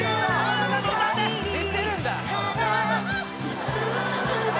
知ってるんだ